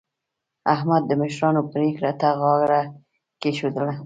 احمد د مشرانو پرېکړې ته غاړه کېښودله.